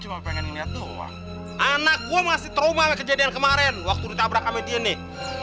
cuma pengen lihat doang anak gue masih trauma kejadian kemarin waktu ditabrak ametian nih